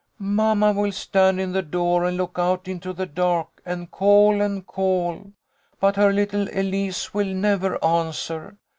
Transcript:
" Mamma will stand in the door and look out into the dark and call and call, but her little Elise will never answer.